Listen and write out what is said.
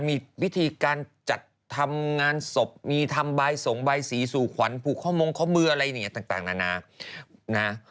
มีวิธีการจัดทำงานศพมีทำบายส่งใบสีสู่ขวัญผูกข้อมงข้อมืออะไรอย่างนี้ต่างนานานะ